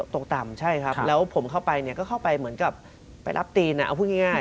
ตกต่ำใช่ครับแล้วผมเข้าไปเนี่ยก็เข้าไปเหมือนกับไปรับตีนเอาพูดง่าย